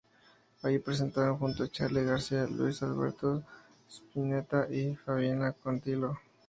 Allí se presentaron junto a Charly García, Luis Alberto Spinetta y Fabiana Cantilo.